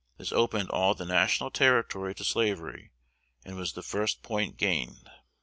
This opened all the national territory to slavery, and was the first point gained.